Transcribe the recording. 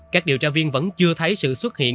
các điều tra viên vẫn chưa thấy sự xuất hiện